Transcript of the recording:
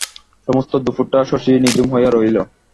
সমস্ত দুপুরটা শশী নিঝুম হইয়া রহিল।